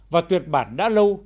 và tuyệt bản đã lâu